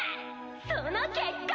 その結果！